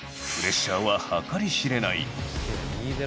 プレッシャーは計り知れない。